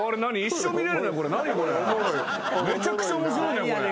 めちゃくちゃ面白いねこれ。